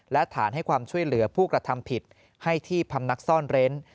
และฐานให้ความช่วยเหลือผู้กระทำผิดให้ที่พำนักซ่อนเร้น